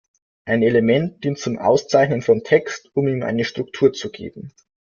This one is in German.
Ein "Element" dient zum Auszeichnen von Text, um ihm eine Struktur zu geben.